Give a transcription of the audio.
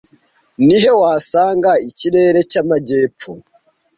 Ni he wasanga Ikirere cyamajyepfo